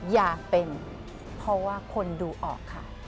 อย่าเป็นเพราะว่าคนดูออกค่ะ